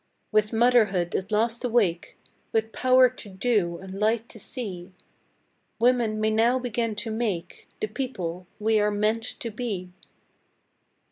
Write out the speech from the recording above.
With Motherhood at last awake With Power to Do and Light to See Women may now begin to Make The People we are Meant to Be!